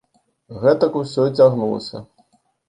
Гэтак усё і цягнулася.